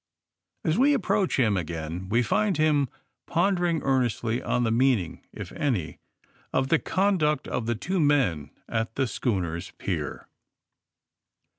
As we ap proach him again we find him pondering earn estly on the meaning, if any, of the conduct of the two men at the schooner's pier.